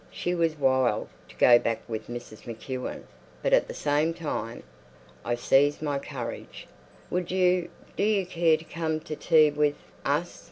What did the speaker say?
She was "wild" to go back with Mrs. MacEwen, but at the same time.... I seized my courage. "Would you—do you care to come to tea with—us?"